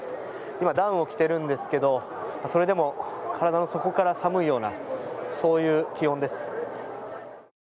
今、ダウンを着ているんですけど、それでも体の底から寒いような、そういう気温です。